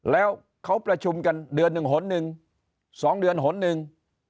แล้วเขาประชุมกันเดือนหนึ่งหนหนึ่ง๒เดือนหนหนึ่ง